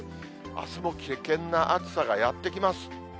あすも危険な暑さがやって来ます。